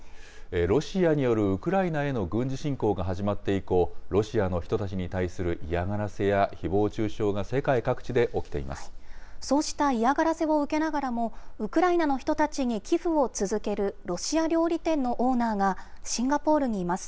ロシアによるウクライナへの軍事侵攻が始まって以降、ロシアの人たちに対する嫌がらせやひぼう中傷が世界各地で起きてそうした嫌がらせを受けながらも、ウクライナの人たちに寄付を続けるロシア料理店のオーナーがシンガポールにいます。